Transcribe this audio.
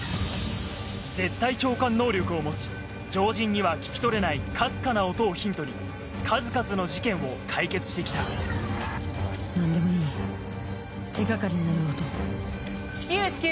絶対聴感能力を持ち常人には聞き取れないかすかな音をヒントに数々の事件を解決して来た何でもいい手掛かりになる音。至急至急！